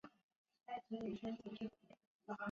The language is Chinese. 凯特回答只是望住他而已。